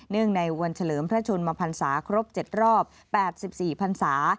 ในวันเฉลิมพระชนมพันศาครบ๗รอบ๘๔พันศา